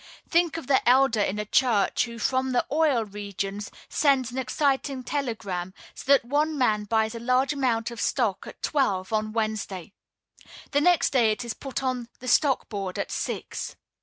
Think of the elder in a church who, from the oil regions, sends an exciting telegram, so that one man buys a large amount of stock at twelve, on Wednesday. The next day it is put on the stock board at six.